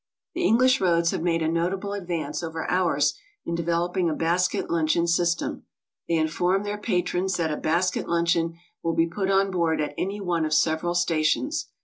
The English roads have made a notable advance over ours in developing a basket luncheon system. They inform their patrons that a basket luncheon will be put on board at any one of several stations.